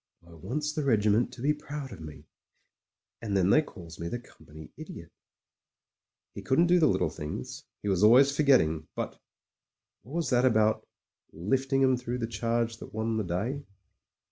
"I wants the regiment to be proud of me — and then they calls me the Company Idiot." He couldn't do the little things — ^he was always forgetting, but ...! What was that about "lifting 'em through the charge that won the day"